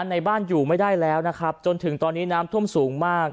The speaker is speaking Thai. ในบ้านอยู่ไม่ได้แล้วนะครับจนถึงตอนนี้น้ำท่วมสูงมาก